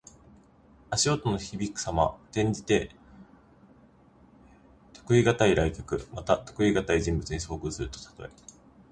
足音のひびくさま。転じて、得難い来客。また、得難い人物に遭遇するたとえ。